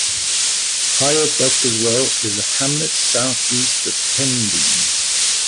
Higher Boscaswell is a hamlet southeast of Pendeen.